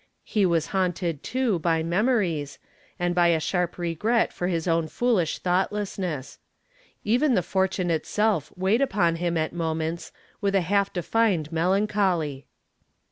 He was haunted, too, by memories, and by a sharp regret for his own foolish thoughtlessness. Even the fortune itself weighed upon him at moments with a half defined melancholy.